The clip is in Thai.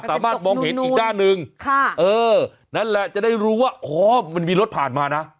สามารถมองเห็นอีกด้านหนึ่งค่ะเออนั่นแหละจะได้รู้ว่าอ๋อมันมีรถผ่านมานะ